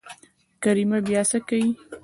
کريمه بيا څه دي.